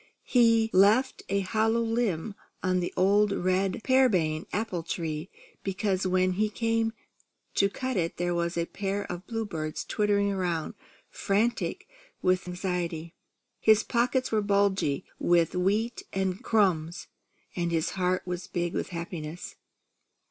He left a hollow limb on the old red pearmain apple tree, because when he came to cut it there was a pair of bluebirds twittering around, frantic with anxiety. His pockets were bulgy with wheat and crumbs, and his heart was big with happiness.